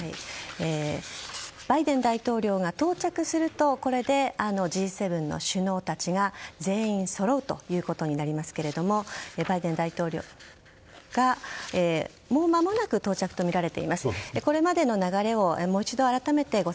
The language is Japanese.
バイデン大統領が到着するとこれでＧ７の首脳たちが全員そろうということになりますけどもバイデン大統領がもうまもなく到着とみられています。